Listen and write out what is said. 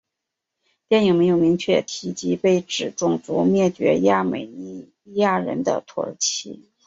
电影没有明确提及被指种族灭绝亚美尼亚人的土耳其。